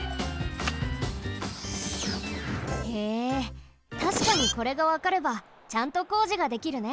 へえたしかにこれがわかればちゃんとこうじができるね。